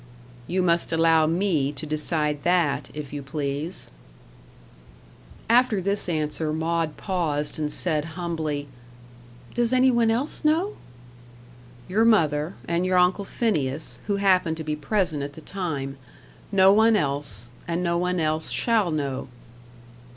"You must allow me to decide that, if you please." After this answer Maud paused, and said humbly, "Does any one else know?" "Your mother, and your uncle Phineas, who happened to be present at the time. No one else: and no one else shall know."